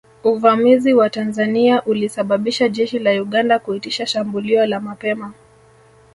Uvamizi wa Tanzania ulisababisha jeshi la Uganda kuitisha shambulio la mapema